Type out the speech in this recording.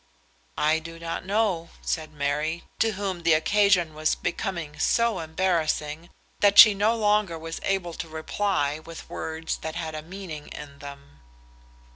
"I do not know," said Mary, to whom the occasion was becoming so embarrassing that she no longer was able to reply with words that had a meaning in them.